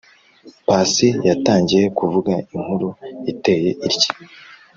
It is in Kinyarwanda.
pasi yatangiye kuvuga inkuru iteye itya: